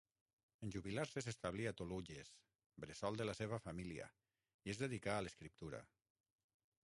En jubilar-se s'establí a Toluges, bressol de la seva família, i es dedicà a l'escriptura.